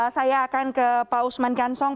saya akan ke pak usman kansong